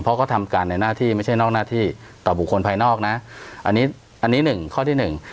เพราะเขาทำการในหน้าที่ไม่ใช่นอกหน้าที่ต่อบุคคลภายนอกนะอันนี้อันนี้หนึ่งข้อที่หนึ่ง